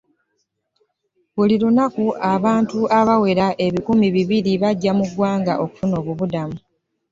Buli Lunaku abantu abawera ebikumi bibiri bajja mu ggwanga okufuna obubudamu